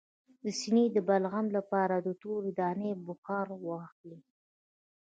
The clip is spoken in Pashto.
د سینې د بغل لپاره د تورې دانې بخار واخلئ